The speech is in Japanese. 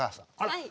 はい。